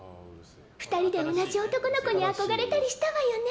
２人で同じ男の子に憧れたりしたわよね！